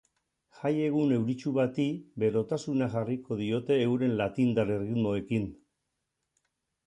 Jai egun euritsu bati berotasuna jarriko diote euren latindar erritmoekin.